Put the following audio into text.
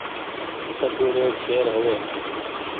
سبو رو کير هووي